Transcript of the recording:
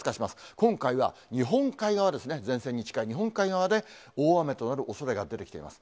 今回は、日本海側ですね、前線に近い日本海側で、大雨となるおそれが出てきています。